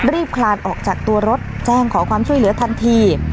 คลานออกจากตัวรถแจ้งขอความช่วยเหลือทันที